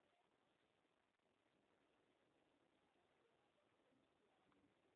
Waoman ndio walifanikiwa kuimiliki kwanza kisiwa hicho